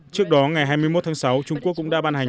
trước đó ngày hai mươi một tháng sáu trung quốc cũng đã ban hành